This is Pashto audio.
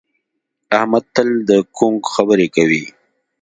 احمد تل د کونک خبرې کوي.